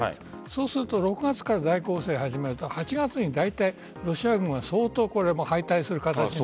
そうすると６月から大攻勢を始めると８月にロシア軍は相当敗退する可能性。